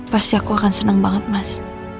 pasti aku akan senang banget mas